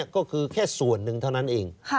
ก็คือแค่ส่วนหนึ่งเท่านั้นเอง